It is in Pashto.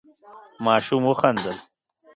ماشوم وخندل.